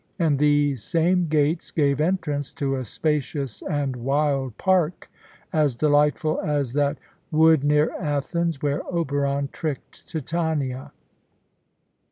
And these same gates gave entrance to a spacious and wild park, as delightful as that "wood near Athens" where Oberon tricked Titania.